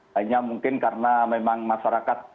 hanya mungkin karena memang masyarakat